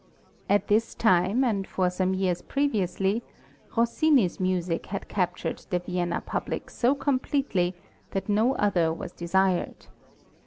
At this time, and for some years previously, Rossini's music had captured the Vienna public so completely that no other was desired.